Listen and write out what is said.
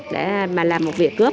để mà làm một việc cướp